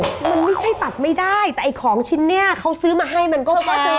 มันไม่ใช่ตัดไม่ได้แต่ไอ้ของชิ้นเนี้ยเขาซื้อมาให้มันก็เจอ